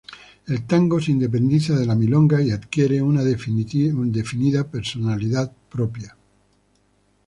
El tango se independiza de la milonga y adquiere una definida personalidad propia.